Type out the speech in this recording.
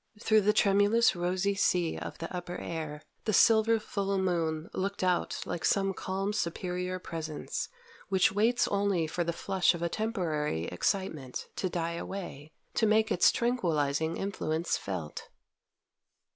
Through the tremulous rosy sea of the upper air, the silver full moon looked out like some calm superior presence which waits only for the flush of a temporary excitement to die away, to make its tranquillizing influence felt.